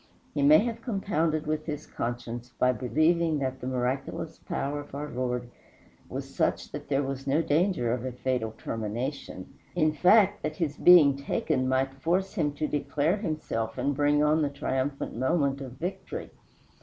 He may have compounded with his conscience by believing that the miraculous power of our Lord was such that there was no danger of a fatal termination. In fact, that his being taken might force him to declare himself and bring on the triumphant moment of victory.